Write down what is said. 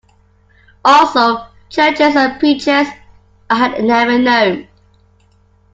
Also, churches and preachers I had never known.